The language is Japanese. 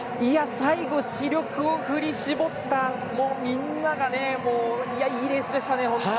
最後、死力を振り絞ったいいレースでしたね。